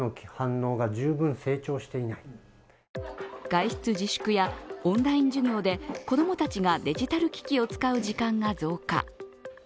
外出自粛やオンライン授業で子供たちがデジタル機器を使う時間が増加。